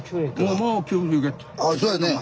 ああそうやね